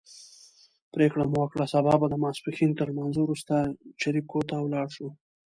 پرېکړه مو وکړه سبا به د ماسپښین تر لمانځه وروسته جریکو ته ولاړ شو.